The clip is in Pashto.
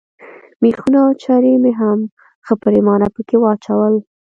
مېخونه او چرې مې هم ښه پرېمانه پکښې واچول.